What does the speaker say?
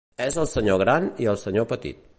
És el sr. Gran i el sr. Petit.